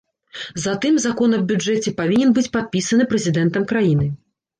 Затым закон аб бюджэце павінен быць падпісаны прэзідэнтам краіны.